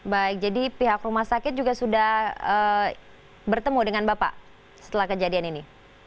baik jadi pihak rumah sakit juga sudah bertemu dengan bapak setelah kejadian ini